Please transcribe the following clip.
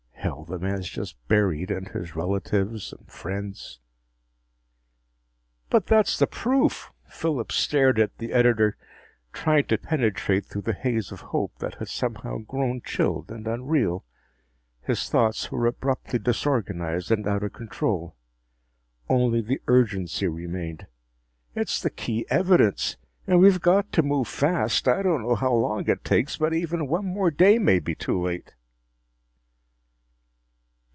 Hell, the man's just buried, and his relatives and friends " "But that's the proof!" Phillips stared at the editor, trying to penetrate through the haze of hope that had somehow grown chilled and unreal. His thoughts were abruptly disorganized and out of his control. Only the urgency remained. "It's the key evidence. And we've got to move fast! I don't know how long it takes, but even one more day may be too late!"